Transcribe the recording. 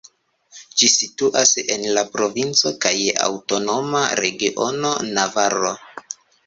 Ĝi situas en la provinco kaj aŭtonoma regiono Navaro.